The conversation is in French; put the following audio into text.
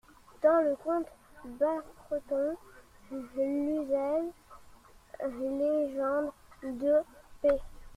Dans le conte bas-breton (Luzel, _Légendes_, deux, p.